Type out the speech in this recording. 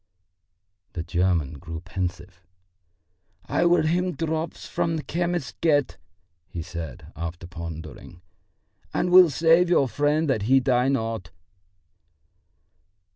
The German grew pensive. "I will him drops from the chemist's get," he said, after pondering, "and will save your friend that he die not."